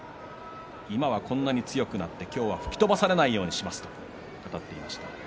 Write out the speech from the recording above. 今はこんなに強くなって今日は吹き飛ばされないようにしますと話しています。